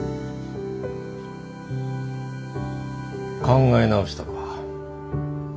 考え直したのか？